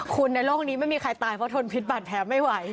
คุณในโลกนี้ไม่มีใครตายเพราะทนพิษบาดแผลไม่ไหว